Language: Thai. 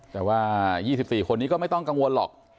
แต่ว่า๒๔คนนี้ก็ไม่ต้องกังวลหรอก